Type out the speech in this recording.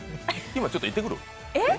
今ちょっと行ってくる？